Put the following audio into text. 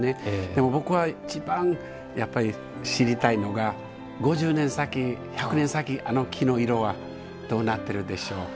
でも、僕は一番やっぱり知りたいのが５０年先、１００年先あの木の色はどうなっているでしょう。